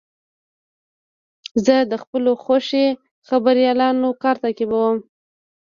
زه د خپلو خوښې خبریالانو کار تعقیبوم.